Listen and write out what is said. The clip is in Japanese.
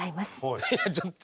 いやちょっと。